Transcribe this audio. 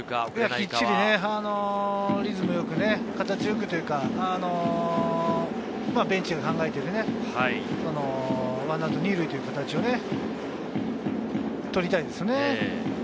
きっちりリズムよく、形よくというか、ベンチが考えている１アウト２塁という形を取りたいですよね。